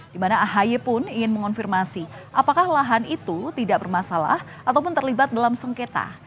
di mana ahy pun ingin mengonfirmasi apakah lahan itu tidak bermasalah ataupun terlibat dalam sengketa